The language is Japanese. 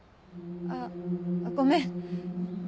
あごめん。